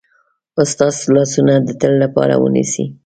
ستاسو لاسونه د تل لپاره ونیسي.